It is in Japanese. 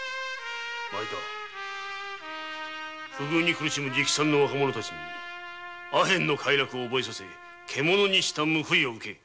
不遇に苦しむ直参の若者にアヘンの快楽を覚えさせ獣にした報いを受けよ。